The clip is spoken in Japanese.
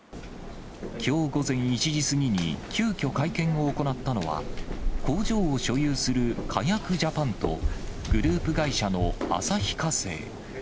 きょう午前１時過ぎに、急きょ、会見を行ったのは、工場を所有するカヤク・ジャパンと、グループ会社の旭化成。